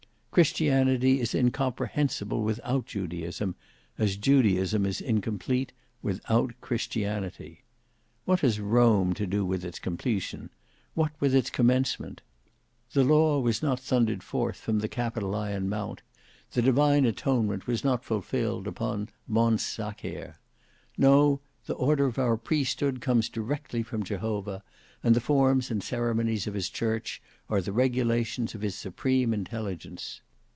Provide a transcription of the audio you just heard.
Christianity is incomprehensible without Judaism, as Judaism is incomplete; without Christianity. What has Rome to do with its completion; what with its commencement? The law was not thundered forth from the Capitolian mount; the divine atonement was not fulfilled upon Mons Sacer. No; the order of our priesthood comes directly from Jehovah; and the forms and ceremonies of His church are the regulations of His supreme intelligence.